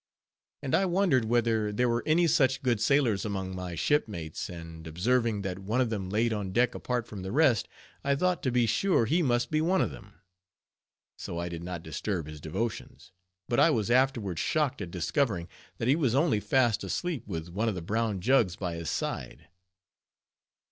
And I wondered whether there were any such good sailors among my ship mates; and observing that one of them laid on deck apart from the rest, I thought to be sure he must be one of them: so I did not disturb his devotions: but I was afterward shocked at discovering that he was only fast asleep, with one of the brown jugs by his side.